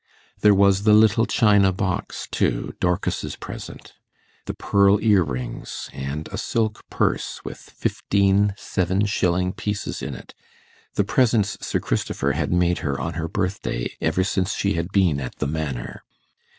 There was the little china box, too Dorcas's present, the pearl earrings, and a silk purse, with fifteen seven shilling pieces in it, the presents Sir Christopher had made her on her birthday, ever since she had been at the Manor.